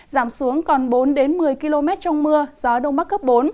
giảm xuống còn bốn đến một mươi km trong mưa gió đông bắc cấp bốn